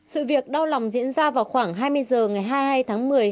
sự việc đau lòng diễn ra vào khoảng hai mươi h ngày hai mươi hai tháng một mươi